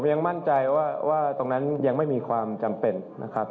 ยังมั่นใจว่าตรงนั้นยังไม่มีความจำเป็นนะครับ